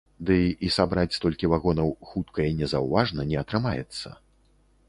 Ды, і сабраць столькі вагонаў хутка і незаўважна не атрымаецца.